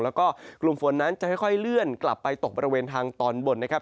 แล้วก็กลุ่มฝนนั้นจะค่อยเลื่อนกลับไปตกบริเวณทางตอนบนนะครับ